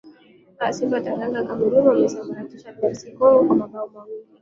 aa simba wa taranga cameroon wakiwasambaratisha drc congo kwa mabao mawili